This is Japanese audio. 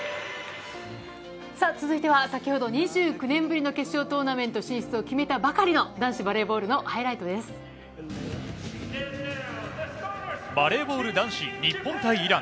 続いては先ほどに２９年振りの決勝トーナメント進出を決めたばかりの男子バレーボールのハイバレーボール男子、日本対イラン。